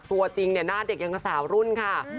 ตัวจริงเนี่ยหน้าเด็กยังกับสาวรุ่นค่ะ